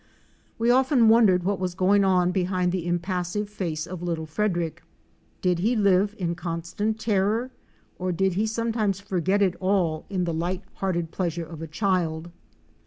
We often wondered what was going on behind the impas sive face of little Frederick. Did he live in constant terror or did he sometimes forget it all in the light hearted pleasure of achild?